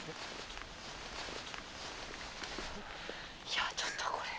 いやちょっとこれ。